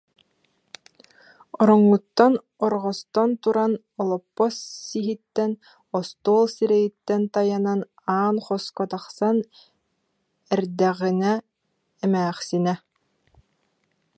Оронуттан орҕостон туран олоппос сиһиттэн, остуол сирэйиттэн тайанан аан хоско тахсан эрдэҕинэ эмээхсинэ: